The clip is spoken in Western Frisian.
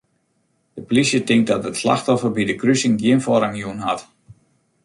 De plysje tinkt dat it slachtoffer by de krusing gjin foarrang jûn hat.